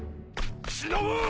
しのぶ！